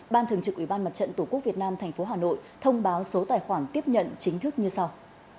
ban thường trực ủy ban mặt trận tổ quốc việt nam tp hà nội thông báo số tài khoản tiếp nhận chính thức như sau